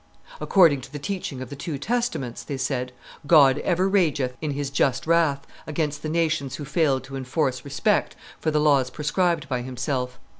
"According to the teaching of the two Testaments," they said, "God ever rageth, in His just wrath, against the nations who fail to enforce respect for the laws prescribed by Himself.